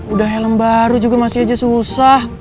udah helm baru juga masih aja susah